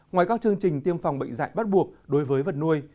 ngoài các chương trình tiêm phòng bệnh dạy bắt buộc đối với vật nuôi